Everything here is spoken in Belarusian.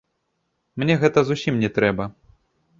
Мне гэта зусім не трэба!